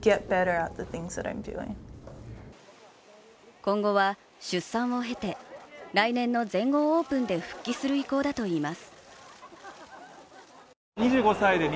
今後は出産を経て、来年の全豪オープンで復帰する意向だといいます。